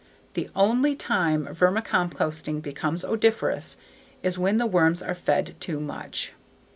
The _only time vermicomposting becomes odoriferous is when the worms are fed too much.